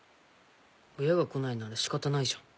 親が来ないなら仕方ないじゃん。